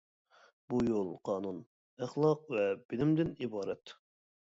بۇ يول قانۇن، ئەخلاق ۋە بىلىمدىن ئىبارەت.